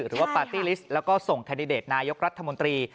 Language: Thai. หรือว่าปาร์ตี้ลิสต์แล้วก็ส่งแคนดิเดตนายกรัฐมนตรี